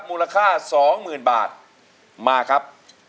มูลค่าสองหมื่นบาทมาครับ